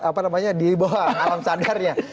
apa namanya di bawah alam standarnya